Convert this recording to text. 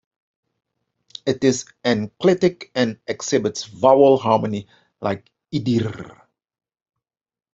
It is enclitic and exhibits vowel harmony like "idir".